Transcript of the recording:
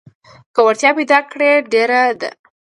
که وړتيا پيداکړې اړتيا ډېره ده.